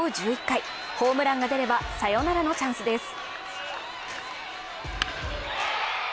１１回ホームランが出ればサヨナラのチャンスです。